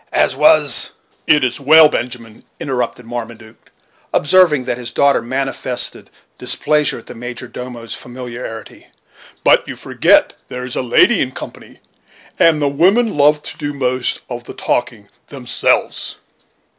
as was " "It is well, Benjamin," interrupted Marmaduke, observing that his daughter manifested displeasure at the major domo's familiarity; "but you forget there is a lady in company, and the women love to do most of the talking themselves."